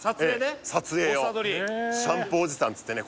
撮影をシャンプーおじさんっつってね